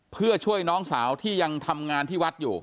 เพื่อช่วยน้องสาวที่ยังทำงานที่วัดอยู่